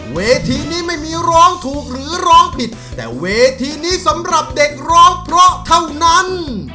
เวทีนี้ไม่มีร้องถูกหรือร้องผิดแต่เวทีนี้สำหรับเด็กร้องเพราะเท่านั้น